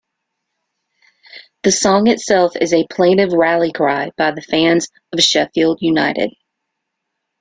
The song itself is a plaintive rally-cry by the fans of Sheffield United.